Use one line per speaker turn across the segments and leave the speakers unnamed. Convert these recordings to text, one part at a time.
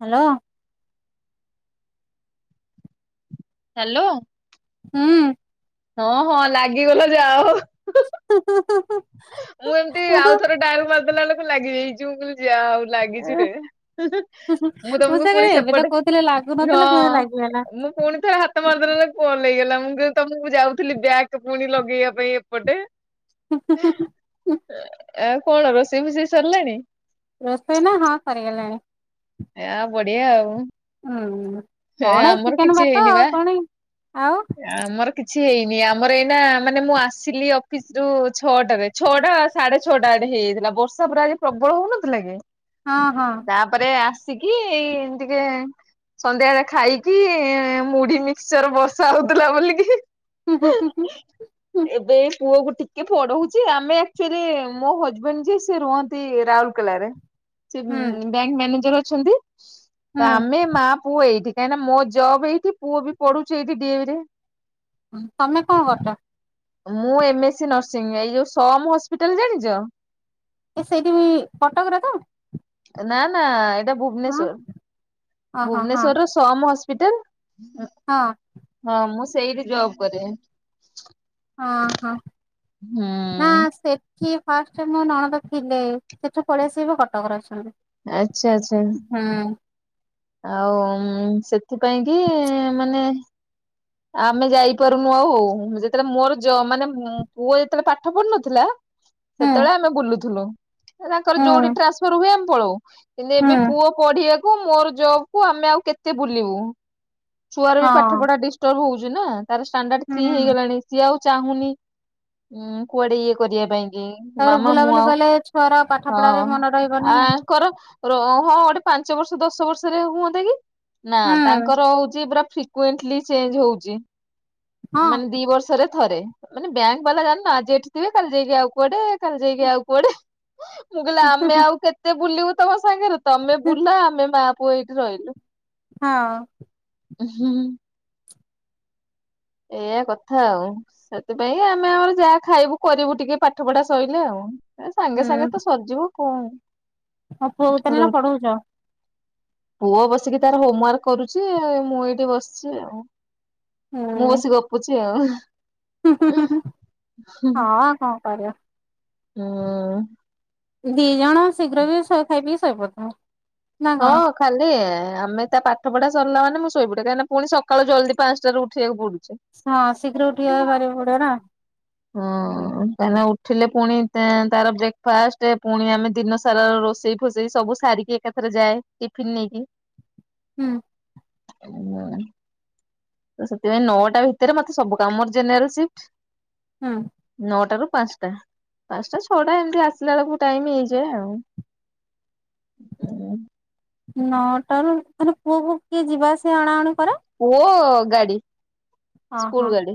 Hello.
Hello.
ହୁଁ।
ହଁ ହଁ ଲାଗିଗଲା ଯା ହଉ।
ହଁ ହଁ ହଁ ହଁ।
ମୁଁ ଏମିତି ଆଉଥରେ ଡାଏଲ ମାରିଦେଲା ବେଳକୁ ଲାଗିି ଯଇଛି ମୁ କହିଲି ଯା ହଉ ଲାଗିଛି ରେ ହୁଁ ମୁଁ ତମକୁ
ସେ
ପୁଣି
ଏବେ ତ
ସେପଟେ
କହୁଥିଲେ
ହଁ
ଲାଗୁନଥିଲା କେମିତି ଲାଗିଗଲା।
ମୁଁ ପୁଣି ଥରେ ହା ହାତ ମାରିବେଲେ ତ ପୁଅ ନେଇଗଲା ମୁଁ କଇଲି ତମକୁ ଯାଉଥିଲି ବ୍ୟାଗ୍ ପୁଣି ଲଗେଇବା ପାଇଁ ଏପଟେ ଆ କଣ ରୋଷେଇ ଫୋଷେଇ ସରିଲାଣି?
ରୋଷେଇ ନା ହଁ ସଗଲାଣି।
ଏ ବଢିଆ ଆଉ।
ହୁଁ।
ଏ
କଣ ଏଇ
ଆମର
ଚିକେନ
କିଛି
ଭାତ
ହେଇନି
ଆଉ
ବା
କଣ ଏଇ ଆଉ
ଆମର କିଛି ହେଇନି ଆମର ଏଇନା ମାନେ ମୁଁ ଆସିଲି ଅଫିସ ରୁ ଛଅଟାରେ ଛଅଟା ସାଢେ ଛଅଟା ଆଡେ ହେଇଯାଇଥିଲା ବର୍ଷା ପୁରା ଆଜି ପ୍ରବଳ ହଉନଥିଲା କି
ହଁ ହଁ।
ତାପରେ ଆସିକି ଏଇ ଟିକେ ସନ୍ଧ୍ୟା ଳେ ଖାଇକି ମୁଢି ମିକ୍ସଚର ବର୍ଷା ହଉଥିଲା ବୋଲିକି
ହୁଁ ହୁଁ ହୁଁ।
ହ [unintelligible]
ହୁଁ
ଏବେ ପୁଅ କୁ ଟିକେ ପଢଉଛି ଆମେ ଆଚୁଆଲି ମୋ ହଜବେଣ୍ଡ ଯ ସେ ରୁହନ୍ତି ରାଉ କେଲାରେ
ହୁଁ
ବ୍ୟାଙ୍କ ମ୍ୟାନେଜର ଅଛନ୍ତି
ହୁଁ
ଆମେ ମା ପୁଅ ଏଇଠି କାହିଁକିନା ମୋ ଜବ ଏଇଠି ପୁଅ ବି ପଢୁଛଛି ଏଇଠି ଡି ବି ରେ।
ତମେ କଣ କରଛ?
ମୁଁ ଏମଏସ୍ ସି ନର୍ସିଂ ଏଇ ଯୋଉ ସମ ହସ୍ପିଟାଲ ଜାଣିଛ
ସେଇଠି କଟକରେ ତ
ନା ନା ଏଇଟା
ହଁ
ଭୁବନେଶ୍ଵର
ଓହୋ ହଁ
ଭୁବନେଶ୍ୱରର ସମ ହସ୍ପିଟାଲ
ହଁ।
ହଁ ମୁଁ ସେଇଠି ଜବ କରେ।
ହଁ ହଁ ନା
ହୁଁ।
ସେ କିଏ ଫାଷ୍ଟ ମୋ ନଣନ୍ଦ ଥିଲେ ସେଠୁ ପଳେଇ ଆସିବ କଟକରେ ଅଛନ୍ତି।
ଆଚ୍ଛା ଆଚ୍ଛା।
ହୁଁ
ଆଉ ଉମ ସେଥି ପାଇଁକି ମାନେ। ଆମେ ଯାଇପାରୁନୁ ଆଉ ହୁ ହୁଁ ଯେତେବେଳେ ମୋର ଜମ ମାନେ ପୁଅ ଯେତେବେଳେ ପାଠ ପଢୁନଥିଲା।
ହୁଁ
ସେତେବେଳେ ଆମେ ବୁଲୁଥିଲୁ ଏ ୟାଙ୍କର ଯୋଉଠି
ହୁଁ
ଟ୍ରାନ୍ସଫର ହୁଏ ଆମେ ପଳଉ। କିନ୍ତୁ ଏବେ
ହୁଁ।
ପୁଅ ପଢିବାକୁ ମୋର ଜବକୁୁ ଆମେ ଆଉ କେତେ ବୁଲିବୁ। ଛୁଆର
ହଁ
ବି ପାଠ ପଢା ଡିଷ୍ଟର୍ବ ହଉଛିି ନା, ତାର ଇଶଣ୍ଡାର୍ ଥ୍ରୀ
ହୁଁ
ହେଇଗଲାଣି। ସିଏ ଆଉ ଚାହୁଁନିଉମ କୁଆଡେ ଇଏ କରିବା ପାଇଁ। ଏ
ତାପରେ
ମାମା ମୁଁ
ବୁଲାବୁଲି
ଆଉ
କଲେ ଛୁଆର ପାଠ ପଢାରେ
ହଁ
ମନ ରହିବନି।
ଆ କର ର ହଁ ଗୋଟେ ପାଞ୍ଚ ବର୍ଷ ଦଶ ବର୍ଷରେ ହୁଅନ୍ତା କି, ନା
ହୁଁ
ତାଙ୍କର ହଉଛି ପୁରା ଫ୍ରୀକୁଇଂଟଲି ଚେଞ୍ଜ ହଉଛି।
ହଁ
ମାନେ ଦିିବର୍ଷରେ ଥରେ ମାନେ ବ୍ୟାଙ୍କ ବାଲା ଜାଣିନା ଯେ ଏଠି ଥିବେ କାଲି ଯେଇକି ଆଉ କୁଆଡେ କାଲି ଯେଇକି ଆଉ କୁଆଡେ। ମୁଁ କହିଲି ଆମେ ଆଉ କେତେ ବୁଲିବୁ ତମ ସାଙ୍ଗରେ? ତମେ ବୁଲ ଆମେ ମା ପୁ ପୁଅ ଏଇଠି ରହିଲୁ।
ହଁ
ହଁ ହୁଁ ଏୟା କଥା ଆଉ। ସେଥିପାଇଁ ଆମେ ଆମର ଯାହା ଖାଇବୁ କରିବୁ ଟିକେ ପାଠ ପଢା ସରିଲେ ଆଉ। ଏ ସାଙ୍ଗେ ସାଙ୍ଗେ ତ ସରିଯିବ କଣ।
ତମ ପୁଅକୁ ତମେ
ର-
ନା ପଢ଼ଉଛ?
ପୁଅ ବସିକି ତାର ହୋମୱାର୍କ କରୁଛି ମୁଁ ଏଇଠି ବସିଛି ଆଉ। ମୁଁ
ହୁଁ।
ବସି ଗପୁଛି ଆଉ।
ହଁ କଣ କରିବ
ହୁଁ
ଦି ଜଣ ଶୀଘ୍ର ପିଇ ଖାଇ ଶୋଇ ପଡିଥାଉ।
ହଁ ଖାଲି ଆମେ ତା ପାଠ ପଢା ସିରିଲା ମାନେ ମୁଁ ଶୋଇପଡେ କାହିଁନା ପୁଣି ସକାଳୁ ଜଲଦି ପାଞ୍ଚଟାରୁ ଉଠିବାକୁ ପଡୁଛି।
ହଁ ଶୀଘ୍ର ଉଠିଵା ଭାରି ପଡେ ନା?
ହଁ କାହିଁନା ଉଠିଲେ ପୁଣି ତେ ତାର ବ୍ରେକଫାଷ୍ଟ ପୁଣି ଆମେ ଦିନ ସାରା ରୋଷେଇ ଫସେଇ ସବୁ ସାରିକି ଏକାଥର ଯାଏ ଟିଫିନ ନେଇକି।
ହୁଁ
ହୁଁ ତ ସେଥିପାଇଁ ନଅଟା ଭିତରେ ମତେ ସବୁ କାମ ଜେନେରାଲ ସିଫ୍ଟ।
ହୁଁ
ନଅଟାରୁ ପାଞ୍ଚଟା। ପାଞ୍ଚଟା ଛଅଟା ଏମିତି ଆସିଲା ବେଳକୁ ଟାଇମ ହେଇଯାଏ ଆଉ।
ନଅଟାରୁ ମାନେ ପୁଅକୁୁ କିଏ ଯିବା ଆସିବା ଅଣାଅଣି କରେ?
ପୁଅ ଗାଡି
ଓହୋ
ସ୍କୁଲ ଗାଡି।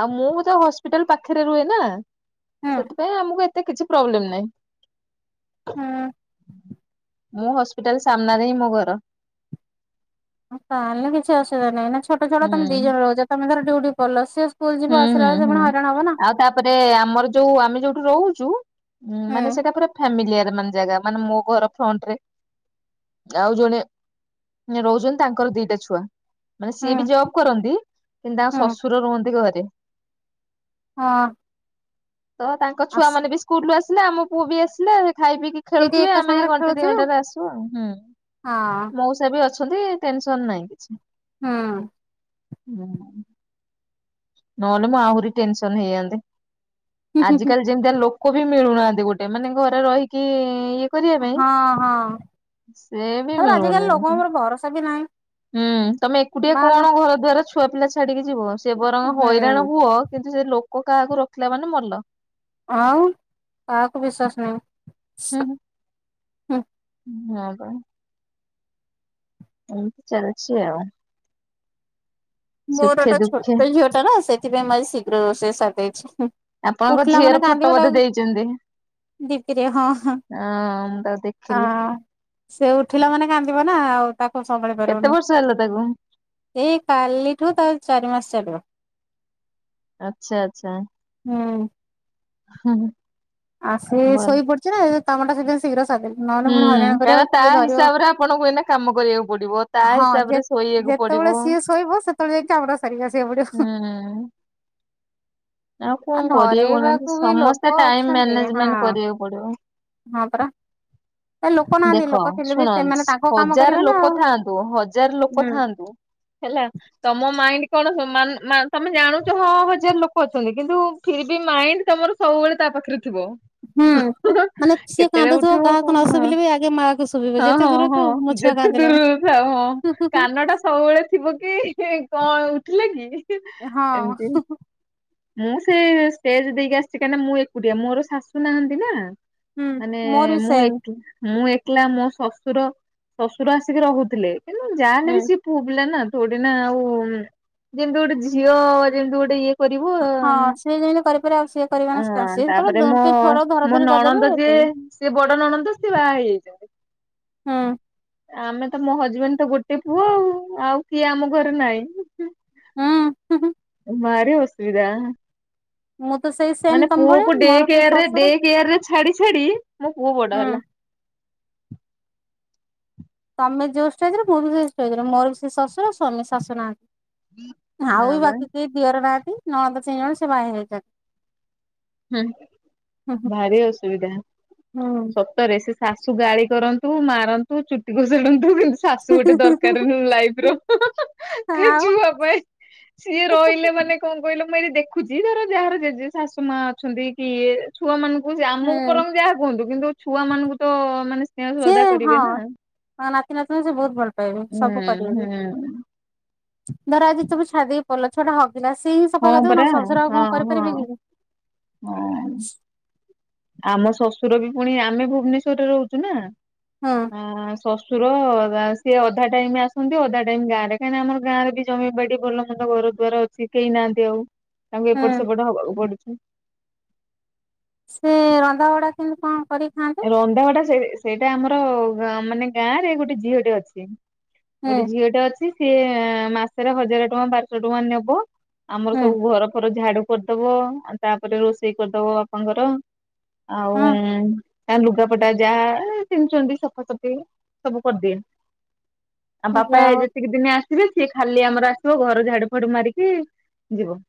ଆଉ ମୁଁ ଭି ତ ହସ୍ପିଟାଲ ପାଖରେ ରୁହେ ନା,
ହୁଁ
ସେଥିପାଇଁ ଆମକୁ ଏ ଏତେ କିଛି ପ୍ରୋବ୍ଲେମ୍ ନାହି।
ହୁଁ।
ମୁଁ ହସ୍ପିଟାଲ ସାମ୍ନାରେ ହିଁ ମୋ ଘର।
ତାହେଲେ କିଛି ଅସୁବିଧା ନାଇ ନା, ଛୋଟ ଛୁଆଟା
ହୁଁ
ତମେ ଦି ଜଣ ରହୁଛ ତମେ ଧର ଡିଉଟି କଲୋ ସେ
ହୁଁ ହୁଁ
ପୁଣି
ହୁଁ
ହଇରାଣ ହବ ନା।
ଆଉ ତାପରେ ଆମର ଯୋଉ ଆମେ ଯୋଉଠୁ ରହୁଛୁ, ଉଁ, ମାନେ
ହୁଁ
ସେଟା ପୁରା ଫେମିଲିଆର ମାନେ ଜାଗା ମାନେ ମୋ ଘର ଫ୍ରଣ୍ଟ ରେ ଆଉ ଜଣେ ନେ ରହୁଛନ୍ତି ତାଙ୍କର ଦିଟା ଛୁଆ। ମାନେ ସିଏ ବି
ହୁଁ
ଜବ୍ କରନ୍ତି, କିନ୍ତୁ ତାଙ୍କ
ହୁଁ
ଶଶୁର ରୁହନ୍ତି ଘରେ।
ହଁ।
ତ ତାଙ୍କ
ଆସ
ଛୁଆ ମାନେ ବି ସ୍କୁଲ୍ ରୁୁ ଆସିଲେ, ଆମ ପୁଅ ବି ଆସିଲା ସେ ଖାଇ ପିଇକି
ସେଇଠି
ଖେଳୁଥିବେ
ଏକା
ଆମେ ଏ
ସାଙ୍ଗରେ
ଘଣ୍ଟେ ଦି
ଖେଳୁଥିବେ
ଘଣ୍ଟାରେ ଆସୁ ଆଉ ହୁଁ,
ହଁ
ମଉସା ସେ ବି ଅଛନ୍ତି ଟେନସନ୍ ନାହିଁ କିଛି।
ହଁ।
[inaudible] ନନେ ମୁଁ ଆହୁରି ଟେନସନ୍ ହେଇଯାନ୍ତି,
ହୁଁ ହୁଁ
ଆଜିିକାଲି ଯେମିତିଆ ଲୋକ ବି ମିଳୁନାହାନ୍ତି ଗୋଟେ ମାନେ ଘରେ ରହିକି ଇଏ କରିବା ପାଇଁ
ହଁ ହଁ
ସେ ବି
ତାପରେ ଆଜିକାଲି
ମିଳୁନାହି।
ଲୋକଙ୍କର ଭରସା ବି ନାହିଁ।
ହୁଁ, ତୋମେ ଏକୁଟିଆ
ବାହାରିଲ
କଣ ଘର ଦ୍ଵାର ଛୁଆ ପିଲା ଛାଡିକି ଯିବ, ସେ ବରଂ ହଇରାଣ
ହୁଁ
ହୁଅ କିନ୍ତୁ ସେ ଲୋକ କାହାକୁ ରଖିଲା ମାନେ ମଲ।
ଆଉ କାହାକୁ ବିଶ୍ଵାସ ନାହିଁ।
ହୁଁ,
ହୁଁ
ହୁଁ, ନା ପା। ଏମତି ଚାଲିଚି ଆଉ।
ମୋର
ସୁଖେ
ଗୋଟେ
ଦୁଃଖେ
ଛୋଟ ଝିଅଟା ନା ସେଥିପାଇଁ ମୁଁ ଆଜି ଶୀଘ୍ର ରୋଷେଇ ସାରଦେଇଛି ହୁଁ,।
ଆପଣଙ୍କ ଝିଅର ଫଟୋ ବୋଧେ ଦେଇଚନ୍ତି?
ଡିପି ରେ ହଁ, ହଁ,
ମୁଁ ତାକୁ
ଆ,
ଦେଖିଲି
ସେ ଉଠିଲା ମାନେ କାନ୍ଦିବ ନା ଆଉ ତାକୁ ସମ୍ଭାଳି
କେତେ
ପାରିବୁନି।
ବର୍ଷ ହେଲା ତାକୁ?
ଏଇ କାଲିିଠୁ ତାର ଚାରି ମାସ ଚାଲିବ।
ଆଚ୍ଛା, ଆଚ୍ଛା।
ହଁ।
ହଁ।
ଆ, ସେ ଶୋଇ ପଡିଚି ନା [inaudible] କାମଟା ଶୀଘ୍ର ଶୀଘ୍ର ସାରଦେଲି।
ହୁଁ, କାହିଁକି ନା ତା ହିସାବରେ ଆପଣଙ୍କୁ ଏଇନା କାମ କରିବାକୁ ପଡିବ, ତା
ହଁ ଯେ
ହିସାବରେ ସେ
ଯେତେବେଳେ ସିଏ ଶୋଇବ ସେତେବେଳେ ଯାଇକି କାମଟା ସାରିକି ଆସିବାକୁ ପଡିବ।
ହୁଁ ଆଉ କଣ କରିବେ କହୁନାହାନ୍ତି,
ଧରେଇବାକୁ ବି
ସମସ୍ତେ
ଲୋକ
ଟାଇମ୍
ଅଛନ୍ତି ହଁ
ମ୍ୟାନେଜମେଣ୍ଟ କରିବାକୁ ପଡିବ।
ହଁ ପରା। ଏ ଲୋକ ନାହାନ୍ତି
ଦେଖ
ଲୋକ ଥିଲେ ବି
ଶୁଣ
ସେମାନେ ତାଙ୍କ କାମ
ହଜାର
କରିବେ ନା
ଲୋକ
ଆଉ
ଥାଆନ୍ତୁ, ହଜାର ଲୋକ
ହୁଁ
ଥାଆନ୍ତୁ ହେଲା ତୋମ ମାଇଣ୍ଡ କଣ ମାନ ମା- ତୋମେ ଜାଣୁଚ ହଁ ହଜାର ଲୋକ ଅଛନ୍ତି କିନ୍ତୁ ଫିରବି ମାଇଣ୍ଡ ତୋମର ସବୁବେଳେ ତା ପାଖରେ ଥିବ।
ହୁଁ, ମାନେ ସିଏ
କେତେବେଳେ
କାନ୍ଦୁଥୁବ
ଉଠିବ
କାହାକୁ ନ
କଣ
ଶୁଭିଲେ ବି ଆଗେ ମା କୁ ଶୁ
ହଁ, ହଁ, ହଁ, ହଁ ଯେତେ ଦୂରୁରୁ ଥାଅ ହଁ। କାନ ଟା ସବୁବେଳେ ଥିବ କି କଣ ଉଠିଲା କି?
ହଁ।
ଏମିତି। ମୁଁ ସେ ଷ୍ଟେଜ୍ ଦେଇକି ଆସିଚି, କାଇଁ ନା ମୁଁ ଏକୁଟିଆ ମୋର ଶାଶୁ ନାହାଁନ୍ତି ନା।
ହୁଁ
ମାନେ
ମୋର ବି
ମୁଁ
ସେମ୍।
ଏକୁ [inaudible] ମୁଁ ଏକଲା ମୋ ଶଶୁର, ଶଶୁର ଆସିକି ରହୁଥିଲେ କିନ୍ତୁ ଯା
ହୁଁ
ହେନେବି ସିଏ ପୁଅପିଲା ନା ଥୋଡ଼ି ନା ଆଉ ଉଁ, ଯେମିତି ଗୋଟେ ଝିଅ ଯେମିତି ଗୋଟେ ଇଏ କରିବ,
ହଁ ସିଏ ଯେମିତି କରିପାରିବେ ଆଉ ସିଏ କରିବେନା
ହଁ
ସିଏ ଧରା
ତାପରେ ମୋ
ଧରି
ମୋ
କରିଦେବେ
ନଣନ୍ଦ ଯେ
ଏତିକି
ସିଏ ବଡ ନଣନ୍ଦ ସିଏ ବାହା ହେଇଯାଇଚନ୍ତି।
ହୁଁ।
ଆମେ ତ ମୋ ହଜବେଣ୍ଡ ତ ଗୋଟେ ପୁଅ ଆଉ, ଆଉ କିଏ ଆମ ଘରେ ନାଇଁ।
ହଁ ହୁଁ ହୁଁ।
ଭାରି ଅସୁବିଧା।
ମୁଁ ତ ସେଇ ସେମ୍
ମାନେ
ତମ ଭଳିଆ
ପୁଅକୁ ଡେ
ମୋର ସେଇ
କେୟାରେ ଡେ
ଶଶୁର
କେୟାରେ ଛାଡି ଛାଡି ମୋ ପୁଅ ବଡ
ହୁଁ।
ହେଲା।
ତମେ ଯୋଉ ଷ୍ଟେଜରେ ମୁଁ ବି ସେଇ ଷ୍ଟେଜରେ ମୋର ବି ସେ ଶଶୁର ସ୍ୱାମୀ ଶାଶୁ ନାହାନ୍ତି।
ହଁ
ଆଉ
ବା
ବାକି କେଇ ଦିଅର ନାହାନ୍ତି ନଣନ୍ଦ ତିନି ଜଣ ସେ ବାହା ହେଇଯାଇଚନ୍ତି।
ହୁଁ ଭାରି ଅସୁବିଧା ସ ସତରେ ସେ ଶାଶୁ ଗାଳି କରନ୍ତୁ ମାରନ୍ତୁ ଚୁଟି ଘୋଷାଡନ୍ତୁ କିନ୍ତୁ ଶାଶୁ ଗୋଟେ
ହୁଁ
ଦରକାର ଲାଇଫ ର ଖା
ଆଉ
ଛୁଆ ପାଇଁ। ସିଏ ରହିଲେ ମାନେ କଣ କହିଲ ମୁଁ ଏଠି ଦେଖୁଚି ଧର ଯାହାର ଜେଜେ ଶାଶୁ ମା ଅଛନ୍ତି କି ଇଏ ଛୁଆ ମାନଙ୍କୁ କୁ ଆମକୁ
ହୁଁ
ପରୋମ୍ ଯାହା କୁହନ୍ତୁ କିନ୍ତୁ ଛୁଆ ମାନଙ୍କୁ ତ ମାନେ ସେ
ସେ ହଁ ନାତି ନାତୁଣି ସେ ବହୁତ ଭଲ ପାଇବେ
ହୁଁ
ସବୁ କରିବ
ହୁଁ
ଧର ଆଜି ତୁମେ ଛାଡଦେଇକି ପଲ ଛୁଆଟା ହ ପିଲା ସେ ହିଁ ସଫା
ହଁ
କରିଦବ
ପରା
ଆଉ ଶଶର ଆଉ କଣ
ହଁ
କରିପାରିବି
ହଁ।
କିି?
ହଁ। ଆମ ଶଶୁର ବି ପୁଣି ଆମେ ଭୁବନେଶ୍ଵରେ ରହୁଚୁ ନା।
ହଁ।
ହଁ ଶଶୁର ସିଏ ଅଧା ଟାଇମ ଆସନ୍ତି ଅଧା ଟାଇମ ଗାଁରେ କାଇଁ ନା ଆମ ଗାଁରେ ବି ଜମିବାଡି ଭଲ ମନ୍ଦ ଘରଦ୍ଵାର ଅଛି କେଇନାନ୍ତି ଆଉ ତାଙ୍କୁ ଏପଟ
ହୁଁ
ସେପଟ ହବାକୁ ପଡୁଚି।
ସେ ରନ୍ଧା ବଡା କେମିତି କଣ କରି
ରନ୍ଧାବଢ଼ା ସେ ସେଇଟା ଆମର ମାନେ ଗାଁ ରେ ଗୋଟେ ଝିଅଟେ ଅଛି।
ହୁଁ
ଗୋଟେ ଝିଅ ଟେ ଅଛି ସିଏ ମାସରେ ହଜାର ଟଙ୍କା ବାରଶହ ଟଙ୍କା ନେବ। ଆମର
ହୁଁ
ସବୁ ଘର ଫର ଝାଡୁ କରିଦବ ତାପରେ ରୋଷେଇ କରିଦବ ବାପାଙ୍କର। ଆଉ ତା ଲୁଗାପଟା ଯାହା ପିନ୍ଧୁଚନ୍ତି ସଫାସଫି ସବୁ କରିଦିଏ। ଆମ
ହୁଁ
ବାପା
ଯାହା
ଏଜ୍
ହଉ
ଯେତିକି ଦିନେ ଆସିବେ ସିଏ ଖାଲି ଆମର ଆସିବ ଘର ଝାଡୁ ଫାଡୁ ମାରିକି ଯିବ।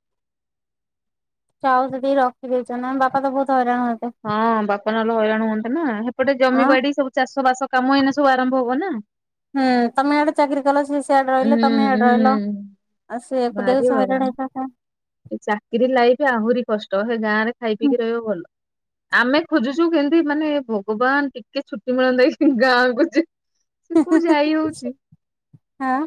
ଯାହାହଉ ସେତିକି ରଖିଦେଇଚ ନା ବାପା ତ ବୋହୁତ ହଇରାଣ ହଉଥିବେ।
ହଁ ବାପା ନଲେ ହଇରାଣ ହୁଅନ୍ତେ ନା। ସେପଟେ ଜମି
ଆଁ
ବାଡି ସବୁ ଚାଷ ବାସ କାମ ଏଇନା ସବୁ ଆରମ୍ଭ ହବ ନା।
ହୁଁ ତମେ ଇଆଡେ ଚାକିରି କଲ ସେ ସିଆଡେ ରହିଲେ
ହୁଁ
ତମେ
ହୁଁ।
ୟାଡେ ରହିଲ। ଆଉ ସେ ଏକୁଟିଆକୁ ହଇରାଣ ହେଇଥାନ୍ତା।
ଚାକିରି ଲାଇଫ ଆହୁରି କଷ୍ଟ ହେ ଗାଁ ରେ ଖାଇ ପିଇକି ରହିବ ଭଲ। ଆମେ ଖୋଜୁଚୁ କେନ୍ତି ମାନେ ଭଗବାନ ଟିକେ ଛୁଟି ମିଳନ୍ତା କି ଗାଁକୁ ଯିବି
ହିଁ ହିଁ ହଁ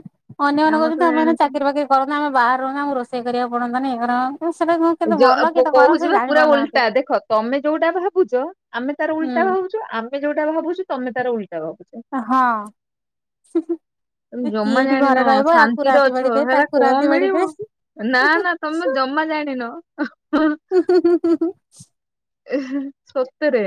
ଅନ୍ୟ ମାନେ
ଆମର ତ
କୋହୁଚନ୍ତି ଆମେମାନେ
ଜାଣିଥିବୁ
ଚାକିରି ବାକିରି କରନ୍ତୁ ଆମେ ବାହାରେ ରୁହୁନ୍ତୁ ଆମକୁ ରୋଷେଇ କରିବାକୁ ପଡନ୍ତାନି ଇଏ କରିବାକୁ ଉଁ ସେଟା [unintelligible]
ଯ ଅ ପୋ
କେତେ ଖରାପ
କୋହୁଚି
ସେ
ପା
ଜାଣି
ପୁରା
ପାରୁନାହାନ୍ତି
ଓଲଟା ଦେଖ ତମେ ଯୋଉଟା ଭାବୁଚ ଆମେ ତାର
ହୁଁ
ଓଲଟା ଭାବଛୁ ଆମେ ଯୋଉଟା ଭାବୁଛୁ ତମେ ତାର ଓଲଟା ଭାବୁଛ।
ହଁ ହୁଁ ହୁଁ।
ତମେ
କିଏ
ଜମା
ଏଠି
ଜାଣିନ
ଘରେ ରହିବ ଆକୁ
ଶାନ୍ତିରେ
ରାନ୍ଧି
ଅଛ
ବାଡି ଦେ
ହେରା
ତାକୁ
କଣ
ରାନ୍ଧି ବାଡି
ମିଳିବ।
ଦେ
ନା ନା ତମେ ଜମା ଜାଣିନ
ହୁଁ ହୁଁ ହୁଁ ହୁଁ।
ଇହି ସତରେ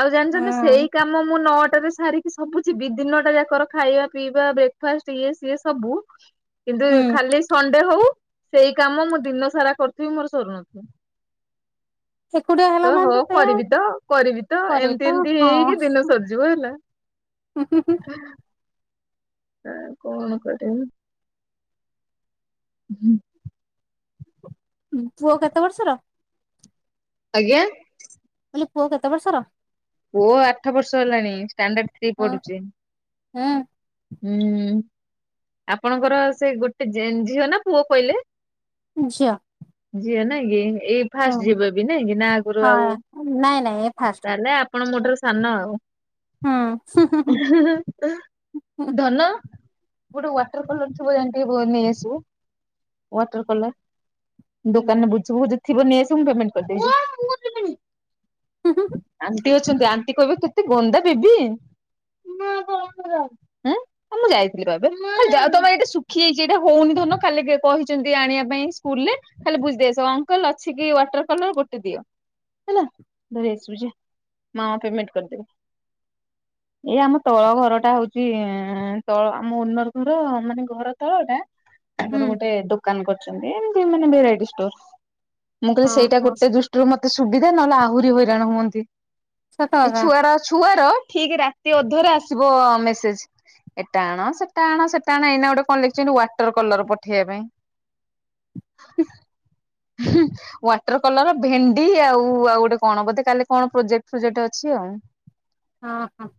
ଆଉ ଜାଣିଛନ୍ତିଛନ୍ତି ସେଇ
ହଁ
କାମ ମୁଁ ନଅଟାରେ ସାରି ସବୁ ଯିବି ଦିନ ଟା ଯାକର ଖାଇବା ପିଇବା ବ୍ରେକ୍ ଫାଷ୍ଟ ଇଏ ସିଏ ସବୁ। କିନ୍ତୁ
ହୁଁ
ଖାଲି ସଣ୍ଡେ ହୋଉ ସେଇ କାମ ମୁଁ ଦିନ ସାରା କରୁଥିବି ମୋର ସରୁନଥିବ।
ଏକୁ ଟିଆ ହେଲା
ହ ହୋ
ମାନେ ତ ସେଇଆ
କରିବି ତ କରିବି ତ
କରିବି
ଏମିତି
ତ
ଏମିତି ହେଇକି ହେଇକି ଦିନ ସରିଯିବ ହେଲା।
ହୁଁ ହୁଁ ହୁଁ।
କଣ। ଆଊ କଣ କରିମି। ହୁଁ।
ପୁଅ କେତେ ବର୍ଷର?
ଆଜ୍ଞା।
କହିଲି ପୁଅ କେତେ ବର୍ଷର?
ପୁଅ ଆଠ ବର୍ଷ ହେଲାଣି ଷ୍ଟାଣ୍ଡାର୍ଡ ଥ୍ରୀ ପଢୁଚି।
ହୁଁ।
ହୁଁ ଆପଣଙ୍କର ସେ ଗୋଟେ ଜେନ ଝିଅ ନା ପୁଅ କହିଲେ?
ଝିଅ।
ଝିଅ ନାଇଁ କି ଏଇ
ହଁ
ଫାଷ୍ଟ ଯିଏ
ହଁ
ବେବି ନାଇଁ କି ନା ଆଗରୁ ଆଉ
ନାଇଁ ନାଇଁ ଏ ଫାଷ୍ଟ।
ତାହେନେ ଆପ ଆପଣ ମୋ ଠାରୁ ସାନ ଆଉ।
ହୁଁ
ଧନ ଗୋଟେ ୱାଟର କଲର୍ ଥିବ ଜାଆନି ଟିକ ନେଇ ଆସିବୁ। Water colour. ଦୋକାନରେ ବୁଝିବୁ ବୁ ଜଦି ଥିବ ନେଇ ଆଶିବୁ ମୁ ପେମେଣ୍ଟ କରିଦେବି। ଆଣ୍ଟି ଅଚନ୍ତି ଆଣ୍ଟି କହିବେ କେତେ ଗନ୍ଦା ବେବି ଆ। ମୁଁ ଯାଇଥିଲିପା ଏବେ ତମ ଏଇଟା ଶୁଖି ଯାଇଚି ଏଇଟା ହଉନି ଧନ ଖାଲି କହିଚନ୍ତି ଆଣିବା ପାଇଁ ସ୍କୁଲ ରେ। ଖାଲି ବୁଝିଦେଇ ଆସିବ ଅଙ୍କଲ ଅଛି କି ୱାଟର କଲର ଗୋଟେ ଦିଅ। ହେଲା ଧରି ଆସିବୁ ଯାଆ ମାମା ପେମେଣ୍ଟ କରିଦେବେ। ଏଇ ଆମ ତଳ ଘରଟା ହୋଉଚି ଚି ତଳ ଆମ ଓନର୍ ଘର ମାନେ ଘର ତଳ ଟା
ହୁଁ
ତାଙ୍କର ଗୋଟେ ଦୋକାନ କରୁଚନ୍ତି ଏମିତି ମାନେ ଭେରାଇଟି ଷ୍ଟୋର। ମୁଁ କହିଲି ସେଇଟା
ଓହୋ
ଗୋଟେ ଦୃଷ୍ଟିରୁ ମତେ ସୁବିଧା ନହେଲେ ଆହୁରି ହଇରାଣ ହୁଅନ୍ତି।
ସତ
ଏ
କଥା।
ଛୁଆର ଛୁଆର ଠିକ୍ ରାତି ଅଧରେ ଆସିବ ମେସ ଏଟା ଆଣ ସେଟା ଆଣ ସେଟା ଆଣ ଏଇନା ଗୋଟେ କଣ ଲେଖିଚନ୍ତି ୱାଟର କଲର ପଠେଇବା ପାଇଁ। [inaudible]
[inaudible]
ହୁ। ୱାଟର କଲର ଭେଣ୍ଡି ଆଉ ଆଉ ଗୋଟେ କଣ ବୋଧେ କାଲି କଣ ପ୍ରୋଜେକ୍ଟ ଫୋଜେକ୍ଟ ଅଛି ଆଉ।
ହଁ ହଁ।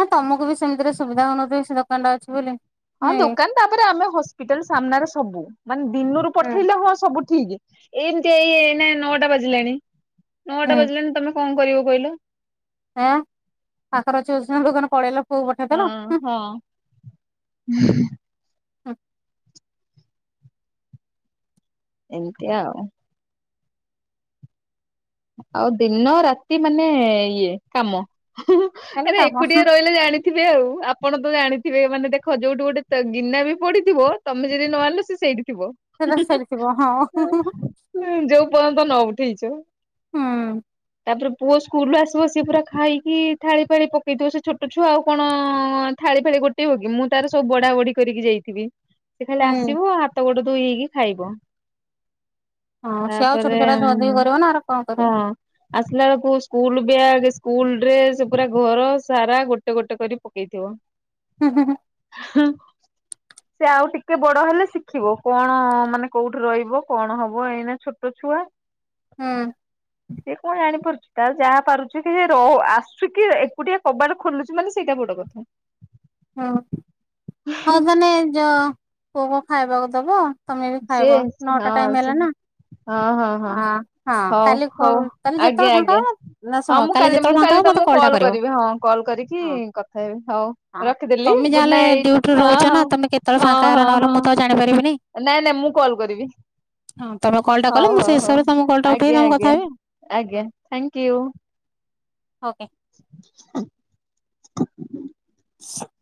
ହେ ତମକୁ ବି ସେମିତିରେ ସୁବିଧା ହୋଉନଥିବକି ସେ ଦୋକାନ ଟା ଅଛି ବୋଲି।
ହଁ
ନାଇଁ।
ଦୋକାନ ତାପରେ ଆମେ ହସ୍ପିଟାଲ ସାମ୍ନାରେ ସବୁ ମାନେ ଦିଇନରୁ
ହୁଁ।
ପଠେଇଲେ ହଁ ସବୁ ଠିକ ଏମିତି ଏଇ ଏଇନା ନଅଟା ବାଜିଲାଣି ନଅଟା
ହୁଁ
ବାଜିଲାଣି ତମେ କଣ କରିବ କହିଲ।
ହଁ ପାଖରେ ଅଛି ବୋଲି ସିନା ଦୋକାନ ପଳେଇଲୁ।
ହଁ ହଁ ହୁଁ।
ହୁଁ
ଏମିତି ଆଉ। ଆଉ ଦିଇନ ରାତି ମାନେ ଇଏ କାମ
ଖାଲି
ଆରେ
କାମ
ଏକୁଟିଆ
ହୁଁ।
ରହିଲେ ଜାଣି ଥିବେ ଆଉ ଆପଣ ତ ଜାଣିଥିବେ ମାନେ ଦେଖ ଯୋଉଠି ଗୋଟେ ଗିନା ବି ପଡିଥିବ। ତମେ ଯଦି ନ ଆଣିଲ ସ ସେଇଠି ଥିବ।
ସେଟା ସେଇଠି ଥିବ ହଁ ହୁଁ ହୁଁ
ଯୋଉ ପର୍ଯ୍ୟନ୍ତ ନ ଉଠେଇଛୁ।
ହୁଁ।
ତାପରେ ପୁଅ ସ୍କୁଲରୁ ଆସିବ ସିଏ ପୁରା ଖାଇକି ଥାଳି ଫାଳି ପକେଇଥିବ ସେ ଛୋଟ ଛୁଆ ଆଉ କଣ ଥାଳି ଫାଳି ଗୋଟେ ଟିବ କି ମୁଁ ତାର ସବୁ ବଡା ବଢି କରିକି ଯାଇଥିବି। ସେ ଖାଲି
ହୁଁ।
ଆସିବ ହାତ ଗୋଡ ଧୋଇ ହେଇକି ଖାଇବ।
ହଁ ସେ ଆଉ ଛୋଟ
ତାପରେ
ଛୁଆଟା ଧୁଆ ଧୁଇ କରିବ ନା ଏରା କଣ କରିବେ।
ହଁ। ଆସିଲା ବେଳକୁ ସ୍କୁଲ ବ୍ୟାଗ୍ ସ୍କୁଲ ଡ୍ରେସ ପୁରା ଘର ସାରା ଗୋଟେ ଗୋଟେ କରି ପକେଇଥିବ। [inaudible]
ହୁଁ ହୁଁ।
ହୂ ସେ ଆଉ ଟିକେ ବଡ଼ ହେଲେ ଶିଖିବ କଣ ମାନେ କୋଉଠି ରହିବ କଣ ହବ ଏଇନା ଛୋଟ ଛୁଆ।
ହୁଁ।
ସିଏକଣ ଜାଣିପାରୁଚି ତାରଯାହା ପାରୁଚି ସିଏ ରୋହୁ ଆସୁକି ଏକୁଟିଆ କବାଟ ଖୋଲୁଚି ମାନେ ସେଇଟା ବଡ଼ କଥା। [inaudible]
ହଁ ହଉ ତାହାଲେ ଯଁ ପୁଅକୁ ଖାଇବାକୁ ଦବ ତମେବି
ସିଏ
ଖାଇବ ନଅଟା
ହଁ
ଟାଇମ୍
ସେ
ହେଲାଣିନା।
ହଁ ହଁ। ହଁ ହଉ
କାଲି
ହଉ
କରୁ କାଲି
ଆଜ୍ଞା
ଯେତେବେଳେ ଫାଙ୍କା
ଆଜ୍ଞା
ହବ ନା
ହଁ
ଶୁଣ
ମୁଁ କାଲି ମୁଁ
ଯେତେବେଳେ ଫାଙ୍କା
କାଲି
ହବ ମତେ
ତମକୁ
ଟା
କଲ୍
କରିବ
କରିବି ହଁ। କଲ୍ କରିକି
ହଁ
କଥା ହେବି ହଉ
ହଁ
ରଖିଦେଲିି ଗୁଡ଼ ନାଇଟ୍ ହଁ ହଁ।
ତୋର
ହଁ
ଫାଙ୍କା ହେଲା
ହଁ
ନହେଲା
ହଁ
ମୁଁ ତଆଉ ଜାଣିପାରିବିନି।
ନାଇଁ ନାଇଁ ମୁଁ କଲ୍ କରିବି। [unintelligible]
କହିଲେ ମୁଁ ସେଇ
ହଉ।
ହିସାବରେ ତମ କଲ୍ ଟା ଉଠେଇକି
ଆଜ୍ଞା
ତମୁ
ଆଜ୍ଞା
କଥା ହେବି।
ଆଜ୍ଞା
ହୁଁ
ଥ୍ୟାଙ୍କ୍ୟୟୁ।
ଓକେ।
[inaudible]
[inaudible]